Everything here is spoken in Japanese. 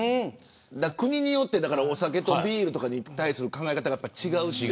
国によってお酒とかビールに対する考え方が違う。